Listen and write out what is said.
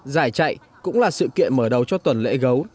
giải chạy cũng là sự kiện mở đầu cho tuần lễ gấu